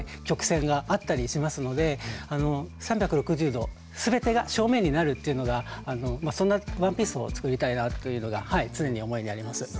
曲線があったりしますので３６０度全てが正面になるというのがそんなワンピースを作りたいなというのがはい常に思いにあります。